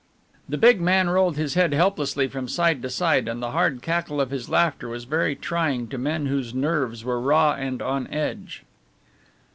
The big man rolled his head helplessly from side to side, and the hard cackle of his laughter was very trying to men whose nerves were raw and on edge.